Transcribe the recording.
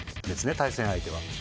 対戦相手は。